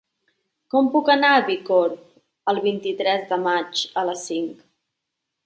Com puc anar a Bicorb el vint-i-tres de maig a les cinc?